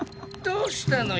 どうしたの？